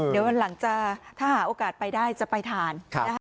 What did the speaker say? เดี๋ยวหลังจากถ้าหาโอกาสไปได้จะไปทาน